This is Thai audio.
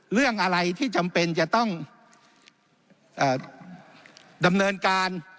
เรื่องอะไรที่จำเป็นจะต้องดำเนินการ